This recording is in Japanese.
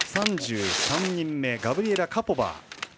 ３３人はガブリエラ・カポバー。